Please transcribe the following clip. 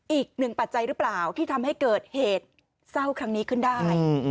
ปัจจัยหรือเปล่าที่ทำให้เกิดเหตุเศร้าครั้งนี้ขึ้นได้